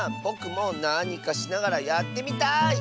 ぼくもなにかしながらやってみたい！